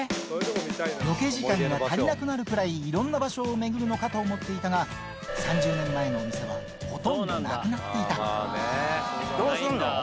ロケ時間が足りなくなるくらい、いろんな場所を巡るのかと思っていたら、３０年前の店はほとんどどうすんの？